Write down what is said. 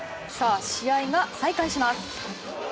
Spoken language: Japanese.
試合が再開します。